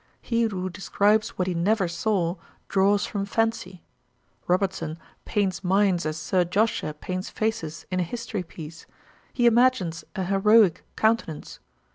He who describes what he never saw, draws from fancy. Robertson paints minds as Sir Joshua paints faces in a history piece: he imagines an heroic countenance.